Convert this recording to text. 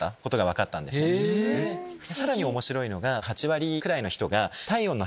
さらに面白いのが。